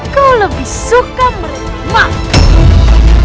kau lebih suka merenang